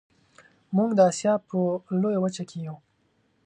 موږ د اسیا په لویه وچه کې یو